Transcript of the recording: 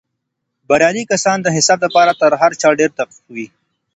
بريالي کسان د حساب دپاره تر هر چا ډېر دقیق وي.